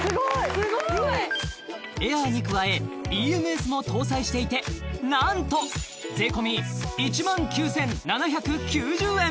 すごいエアに加えＥＭＳも搭載していて何と税込１９７９０円